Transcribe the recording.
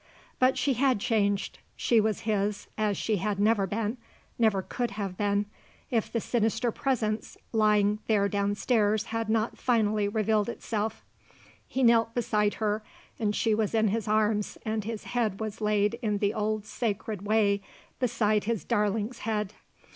But she had changed. She was his as she had never been, never could have been, if the sinister presence lying there downstairs had not finally revealed itself. He knelt beside her and she was in his arms and his head was laid in the old sacred way beside his darling's head.